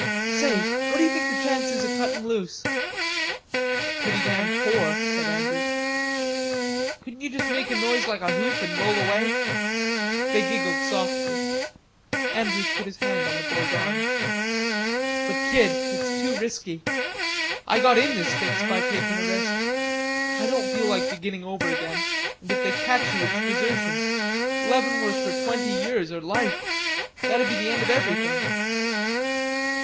"Say, what d'you think the chance is o' cuttin' loose?" "Pretty damn poor," said Andrews. "Couldn't you just make a noise like a hoop an' roll away?" They giggled softly. Andrews put his hand on the boy's arm. "But, Kid, it's too risky. I got in this fix by taking a risk. I don't feel like beginning over again, and if they catch you, it's desertion. Leavenworth for twenty years, or life. That'd be the end of everything."